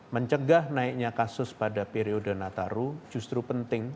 mencegah naiknya kasus pada periode nataru justru penting